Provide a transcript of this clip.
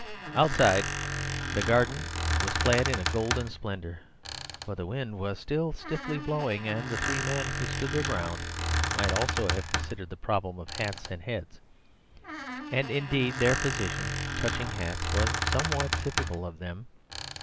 Outside, the garden was clad in a golden splendour; but the wind was still stiffly blowing, and the three men who stood their ground might also have considered the problem of hats and heads. And, indeed, their position, touching hats, was somewhat typical of them.